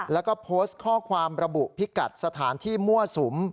แล้วก็โพสต์ข้อความระบุพิกัดสถานที่มั่วสุม